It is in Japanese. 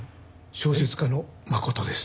小説家の真琴です。